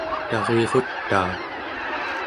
tarirutaa